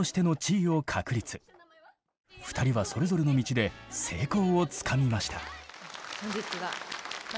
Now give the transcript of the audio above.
２人はそれぞれの道で成功をつかみました。